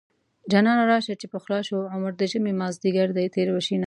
جانانه راشه چې پخلا شو عمر د ژمې مازديګر دی تېر به شينه